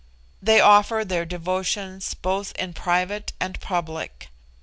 They offer their devotions both in private and public.